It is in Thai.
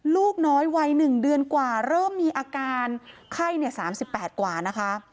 ลูกน้อยวัย๑เดือนกว่าเริ่มมีอาการไข้๓๘กว่านะคะ